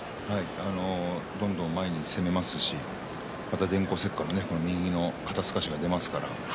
どんどん前に攻めますし電光石火の右の肩すかしが出ますから。